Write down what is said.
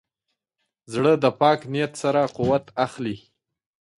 زړه د پاک نیت سره قوت اخلي.